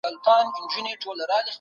نهه عددونه دي.